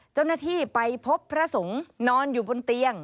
เจ้าหน้าที่ไปพบพระสงฆ์นอนอยู่บนเตียง